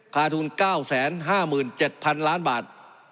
ทุน๙๕๗๐๐๐ล้านบาท